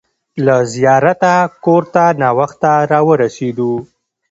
له زیارته کور ته ناوخته راورسېدو.